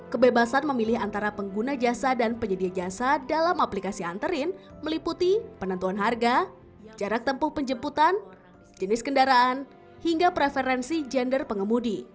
kebebasan memilih antara pengguna jasa dan penyedia jasa dalam aplikasi anterin meliputi penentuan harga jarak tempuh penjemputan jenis kendaraan hingga preferensi gender pengemudi